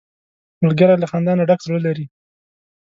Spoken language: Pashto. ملګری له خندا نه ډک زړه لري